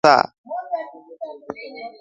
Umeleta pesa?